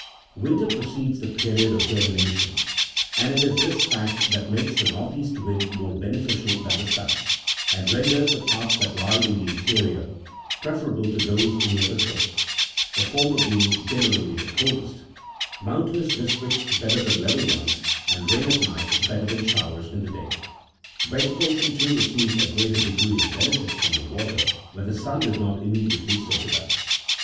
Winter precedes the period of germina tion, and it is this fact that makes the north east wind more beneficial than the south, and renders the parts that lie in the interior preferable to those near the coast, — the former being generally the coldest, — mountainous districts better than level ones, and rain at night better than showers in the day. Vege tation, too, receives a greater degree of benefit from the water when the sun does not immediately soak it up.